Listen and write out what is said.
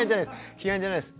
批判じゃないです。